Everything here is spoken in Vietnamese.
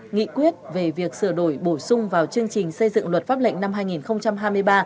nghị quyết về việc sửa đổi bổ sung vào chương trình xây dựng luật pháp lệnh năm hai nghìn hai mươi ba